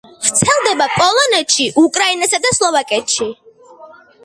ვრცელდება პოლონეთში, უკრაინასა და სლოვაკეთში.